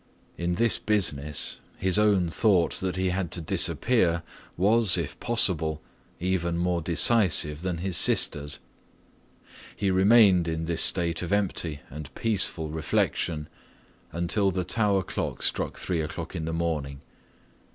In this business, his own thought that he had to disappear was, if possible, even more decisive than his sister's. He remained in this state of empty and peaceful reflection until the tower clock struck three o'clock in the morning.